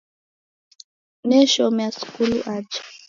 Neshomea skulu aja____